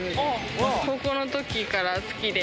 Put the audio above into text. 高校のときから好きで。